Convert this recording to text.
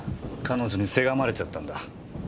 彼女にせがまれちゃったんだ。